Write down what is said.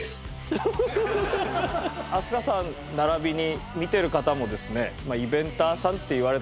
飛鳥さん並びに見てる方もですね。